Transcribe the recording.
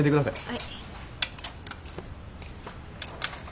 はい。